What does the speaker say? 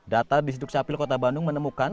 data di sudut capil kota bandung menemukan